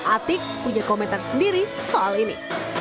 atik punya komentar sendiri soal ini